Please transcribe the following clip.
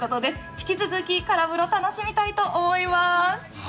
引き続きから風呂、楽しみたいと思います。